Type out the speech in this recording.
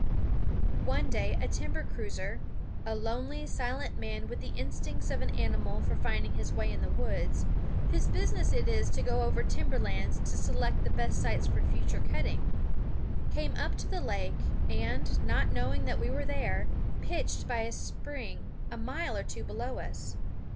One day a timber cruiser a lonely, silent man with the instincts of an animal for finding his way in the woods, whose business it is to go over timber lands to select the best sites for future cutting came up to the lake and, not knowing that we were there, pitched by a spring a mile or two below us.